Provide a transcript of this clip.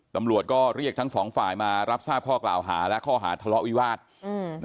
ตำรวจก็เรียกทั้งสองฝ่ายมารับทราบข้อกล่าวหาและข้อหาทะเลาะวิวาส